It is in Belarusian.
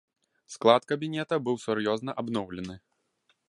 Склад кабінета быў сур'ёзна абноўлены.